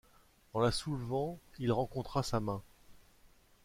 En la soulevant il rencontra sa main.